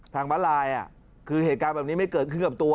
มาลายคือเหตุการณ์แบบนี้ไม่เกิดขึ้นกับตัว